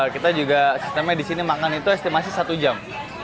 kita juga sistemnya di sini makan itu estimasi satu jam